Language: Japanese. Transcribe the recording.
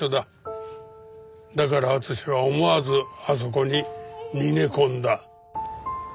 だから敦は思わずあそこに逃げ込んだ。